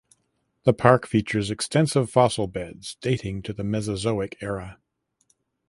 The park features extensive fossil beds dating to the Mesozoic era.